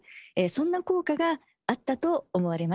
そんな効果があったと思われます。